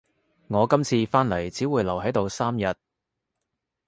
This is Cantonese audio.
我今次返嚟只會留喺度三日